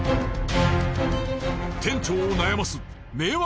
店長を悩ます迷惑